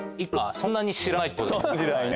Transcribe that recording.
そんなに知らないね。